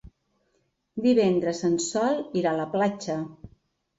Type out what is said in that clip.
Divendres en Sol irà a la platja.